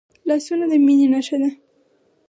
لاسونه د میننې نښه ده